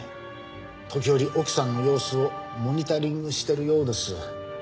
時折奥さんの様子をモニタリングしてるようです。